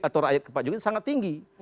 atau rakyat ke pak jokowi sangat tinggi